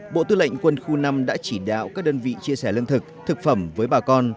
bộ tư lệnh quân khu năm đã chỉ đạo các đơn vị chia sẻ lương thực thực phẩm với bà con